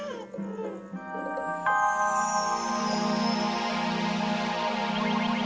aku pun sama